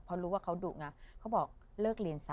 พอรู้ว่าเค้าดุง่ะเค้าบอกเลิกเรียนซะ